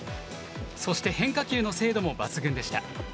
そして変化球の精度も抜群でした。